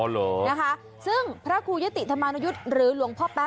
แล้วไปถึงนะ